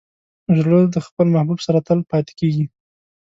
زړه د خپل محبوب سره تل پاتې کېږي.